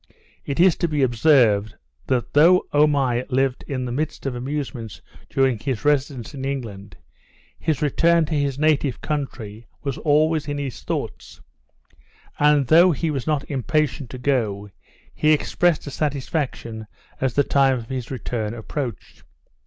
It is to be observed, that though Omai lived in the midst of amusements during his residence in England, his return to his native country was always in his thoughts, and though he was not impatient to go, he expressed a satisfaction as the time of his return approached.